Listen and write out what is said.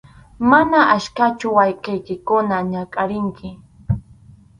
Mana achkachu wawqiykikuna ñakʼarinki.